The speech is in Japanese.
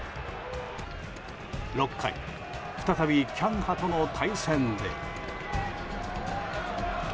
６回、再びキャンハとの対戦で。